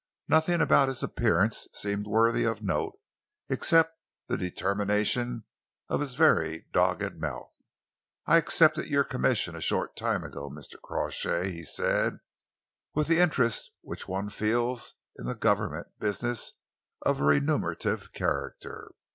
Nothing about his appearance seemed worthy of note except the determination of his very dogged mouth. "I accepted your commission a short time ago, Mr. Crawshay," he said, "with the interest which one always feels in Government business of a remunerative character.